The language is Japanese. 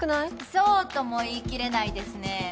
そうとも言い切れないですね